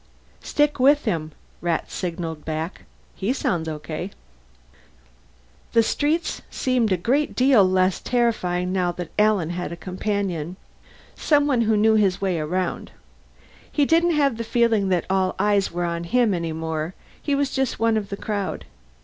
_ Stick with him, Rat signalled back. He sounds okay. The streets seemed a great deal less terrifying now that Alan had a companion, someone who knew his way around. He didn't have the feeling that all eyes were on him, any more; he was just one of the crowd.